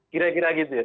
kira kira gitu ya